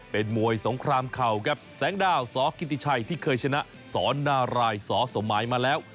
เป็นมวยสงครามเข่าครับแสงดาวสกิติชัยที่เคยชนะสอนนารายสอสมหมายมาแล้ว